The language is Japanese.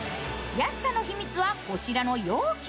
安さの秘密はこちらの容器。